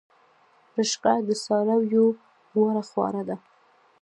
رشقه د څارویو غوره خواړه دي